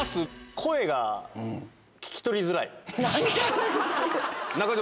声が聞き取りづらい。